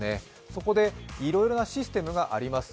そこでいろいろなシステムがあります。